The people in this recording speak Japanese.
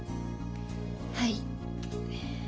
はい。